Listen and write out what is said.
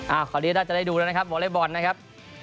อ้าวขออนุญาตราจะได้ดูแล้วนะครับบอเลบอลนะครับ